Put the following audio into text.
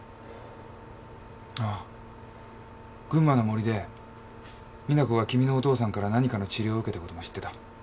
あぁ群馬の森で実那子が君のお父さんから何かの治療を受けたことも知ってた。